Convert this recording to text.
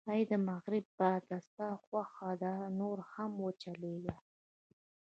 اې د مغرب باده، ستا خوښه ده، نور هم و چلېږه.